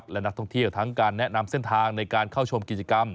และนักท่องเที่ยวทั้งการแนะนำเส้นทางในการเข้าชมกิจกรรม